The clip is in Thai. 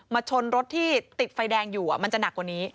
ชนรถที่ติดไฟแดงอยู่มันจะหนักกว่านี้